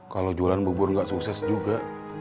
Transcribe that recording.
kalau jualan bubur nggak sukses juga